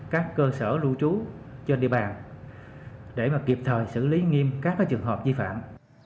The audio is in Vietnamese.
các cơ sở lưu trú trên địa bàn để kịp thời xử lý nghiêm các trường hợp di phạm